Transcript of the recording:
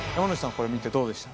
これ見てどうでした？